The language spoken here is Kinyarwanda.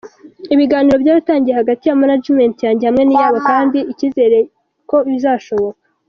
Ibiganiro byaratangiye hagati ya management yanjye hamwe n’iyabo kandi hari ikizere ko bizashoboka.